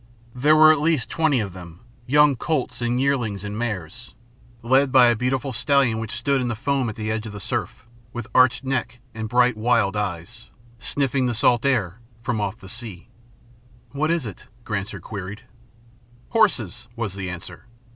There were at least twenty of them, young colts and yearlings and mares, led by a beautiful stallion which stood in the foam at the edge of the surf, with arched neck and bright wild eyes, sniffing the salt air from off the sea. "What is it?" Granser queried. "Horses," was the answer.